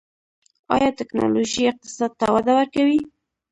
آیا ټیکنالوژي اقتصاد ته وده ورکوي؟